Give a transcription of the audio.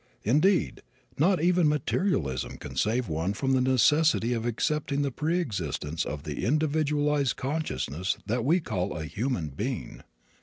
Indeed, not even materialism can save one from the necessity of accepting the pre existence of the individualized consciousness that we call a human being.